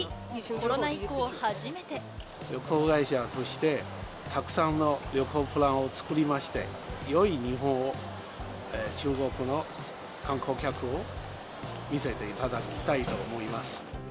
コロナ以降、旅行会社としてたくさんの旅行プランを作りまして、よい日本を中国の観光客に見せていただきたいと思います。